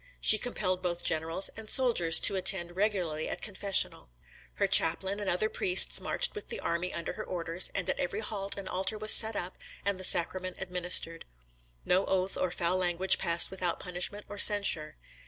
She compelled both generals and soldiers to attend regularly at confessional. Her chaplain and other priests marched with the army under her orders; and at every halt, an altar was set up and the sacrament administered. No oath or foul language passed without punishment or censure.